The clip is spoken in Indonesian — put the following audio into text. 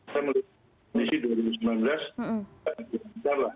saya melihat kondisi dua ribu sembilan belas besar lah